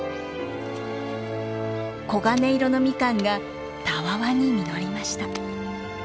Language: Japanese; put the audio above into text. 黄金色のミカンがたわわに実りました。